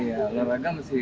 iya olahraga mesti sendiri